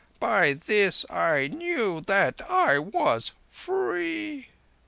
By this I knew that I was free.